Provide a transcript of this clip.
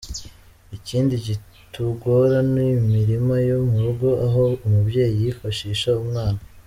Ikindi kitugora ni imirima yo mu rugo aho umubyeyi yifashisha umwana.